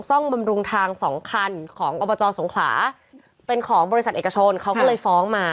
ซ่อมบำรุงทางสองคันของอบจสงขลาเป็นของบริษัทเอกชนเขาก็เลยฟ้องมา